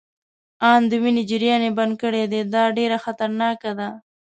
آن د وینې جریان يې بند کړی دی، دا ډیره خطرناکه ده.